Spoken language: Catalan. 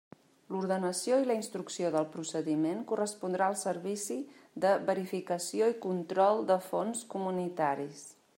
L'ordenació i la instrucció del procediment correspondrà al Servici de Verificació i Control de Fons Comunitaris.